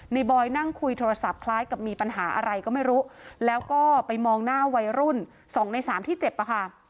บอยนั่งคุยโทรศัพท์คล้ายกับมีปัญหาอะไรก็ไม่รู้แล้วก็ไปมองหน้าวัยรุ่นสองในสามที่เจ็บอะค่ะ